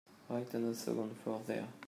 Right on the second floor there.